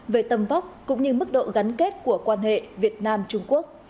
về tầm vóc cũng như mức độ gắn kết của quan hệ việt nam trung quốc